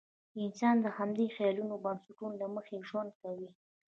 انسان د همدې خیالي بنسټونو له مخې ژوند کوي.